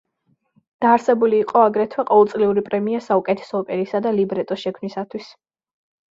დაარსებული იყო აგრეთვე ყოველწლიური პრემია საუკეთესო ოპერისა და ლიბრეტოს შექმნისათვის.